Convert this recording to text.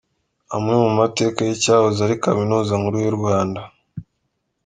Amwe mu mateka y’icyahoze ari Kaminuza nkuru y’ u Rwanda.